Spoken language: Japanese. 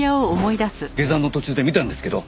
下山の途中で見たんですけど。